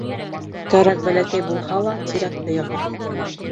Кәрәк бәләкәй булһа ла тирәкте йыға.